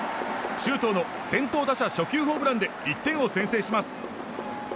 周東の先頭打者初球ホームランで１点を先制します。